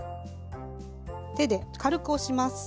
手で軽く押します。